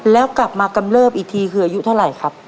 แล้วกลับมากำเริบอีกทีคืออายุเท่าไหร่ครับ